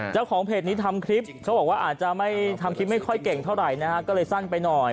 เจ้าของเพจนี้ทำคลิปเขาบอกว่าอาจจะไม่ทำคลิปไม่ค่อยเก่งเท่าไหร่นะฮะก็เลยสั้นไปหน่อย